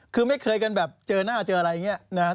คือไม่เคยกันแบบเจอหน้าเจออะไรอย่างนี้นะครับ